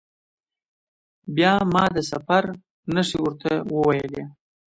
بیا ما د سفر نښې ورته وویلي.